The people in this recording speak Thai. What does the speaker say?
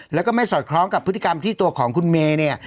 แล้วก็ไม่สอดคล้องกับพฤติกรรมที่ตัวของคุณเมย์เนี่ย